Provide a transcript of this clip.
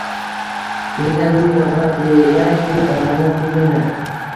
Mingdan-ming roziman, deya bu olamdan ko`z yumdi